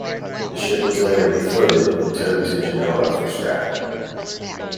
The ship was later refloated and towed to Genoa for scrapping.